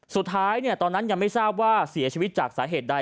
ตอนนั้นยังไม่ทราบว่าเสียชีวิตจากสาเหตุใด